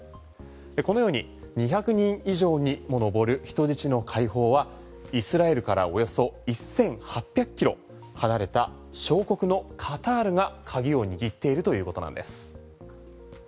このように２００人以上にも上る人質の解放はイスラエルからおよそ１８００ｋｍ離れた小国のカタールが鍵を握っているということなんです。